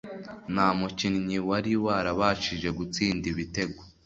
nta mukinnyi wari warabashije gutsinda ibitego